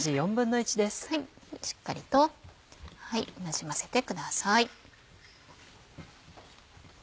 しっかりとなじませてください。